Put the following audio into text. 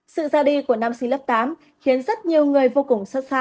sự ra đi của nam sinh lớp tám khiến rất nhiều người vô cùng xót xa